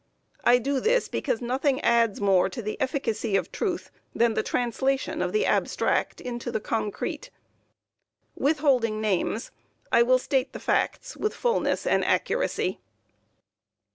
I do this because nothing adds more to the efficacy of truth than the translation of the abstract into the concrete. Withholding names, I will state the facts with fullness and accuracy.